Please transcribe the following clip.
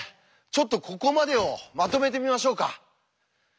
ちょっとここまでをまとめてみましょうか。